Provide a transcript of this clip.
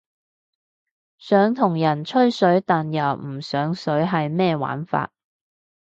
想同人吹水但又唔上水係咩玩法？